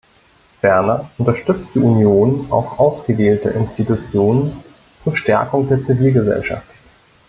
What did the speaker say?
Ferner unterstützt die Union auch ausgewählte Institutionen zur Stärkung der Zivilgesellschaft.